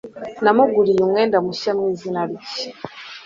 Namuguriye umwenda mushya mu izina rye.